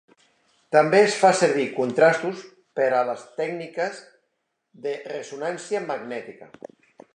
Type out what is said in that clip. També es fan servir contrastos per a les tècniques de ressonància magnètica.